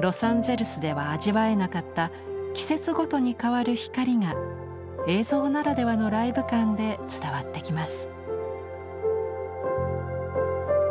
ロサンゼルスでは味わえなかった季節ごとに変わる光が映像ならではのライブ感で伝わってきます。